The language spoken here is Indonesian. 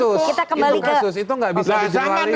itu kasus itu gak bisa dijenualisir